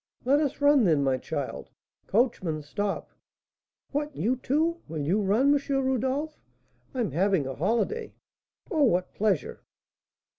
"Let us run, then, my child. Coachman, stop." "What! You, too? Will you run, M. Rodolph?" "I'm having a holiday." "Oh! What pleasure!"